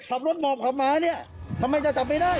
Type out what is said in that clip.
ขับรถหมอบขับมาเนี่ยทำไมจะจับไปได้